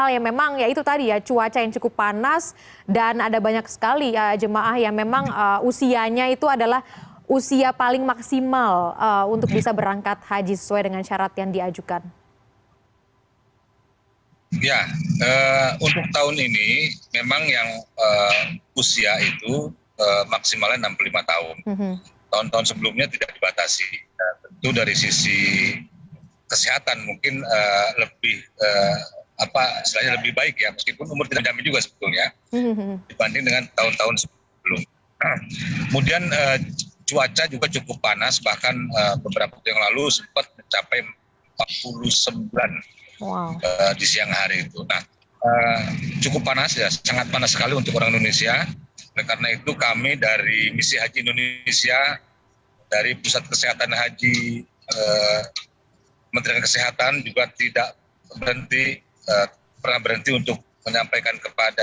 yang kami memperkuatkan